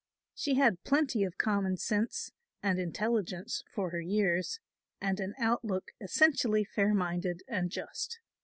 She had plenty of common sense and intelligence for her years and an outlook essentially fair minded and just.